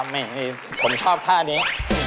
ไม่ผมชอบท่านี้